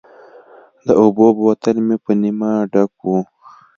د اوبو بوتل مې په نیمه ډک و.